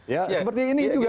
ya seperti ini juga